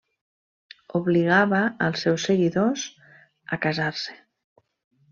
Obligava als seus seguidors a casar-se.